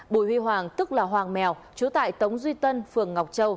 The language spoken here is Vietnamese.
bùi huy hoàng tức là hoàng mèo chú tại tống duy tân phường ngọc châu